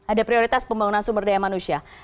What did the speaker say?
ada prioritas pembangunan sumber daya manusia